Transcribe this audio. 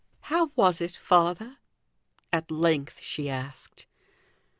"How was it, father?" at length she asked.